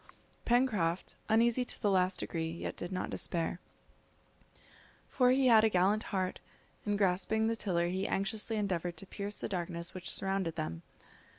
Pencroft, uneasy to the last degree, yet did not despair, for he had a gallant heart, and grasping the tiller he anxiously endeavoured to pierce the darkness which surrounded them.